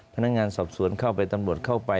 พนักงานสอบสวนเข้าไปตำรวจเข้าไป